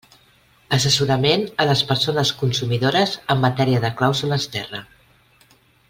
Assessorament a les persones consumidores en matèria de clàusules terra.